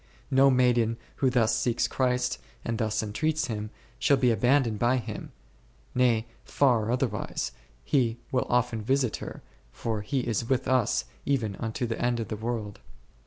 No maiden who thus seeks Christ and thus entreats Him, shall be abandoned by Him; nay, far otherwise, He will often visit her, for He is with us even unto the end of the world.